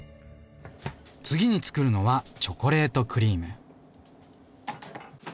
次につくるのは「チョコレートクリーム」。